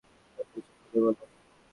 সবকিছু খুলে বলো।